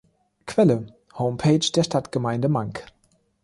Quelle: Homepage der Stadtgemeinde Mank.